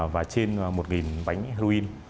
và trên một bánh halloween